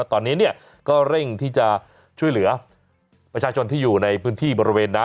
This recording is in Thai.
ตอนนี้เนี่ยก็เร่งที่จะช่วยเหลือประชาชนที่อยู่ในพื้นที่บริเวณนั้น